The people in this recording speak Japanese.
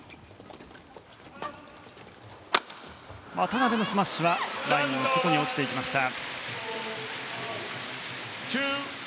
渡辺のスマッシュはラインの外に落ちました。